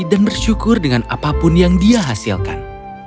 dan bersyukur dengan apapun yang dia hasilkan